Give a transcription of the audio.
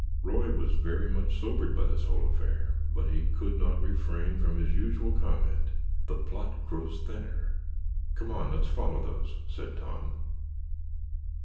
Roy was very much sobered by this whole affair, but he could not refrain from his usual comment, "The plot grows thinner." "Come on, let's follow those," said Tom.